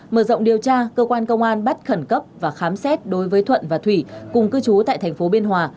mở rộng điều tra cơ quan công an bắt khẩn cấp và khám xét đối với thuận và thủy cùng cư trú tại thành phố biên hòa